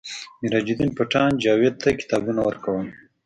میراج الدین پټان جاوید ته کتابونه ورکول